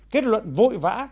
kết luận vội vã